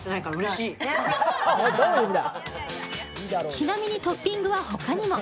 ちなみにトッピングは他にも。